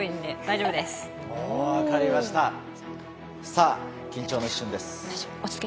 さぁ緊張の一瞬です。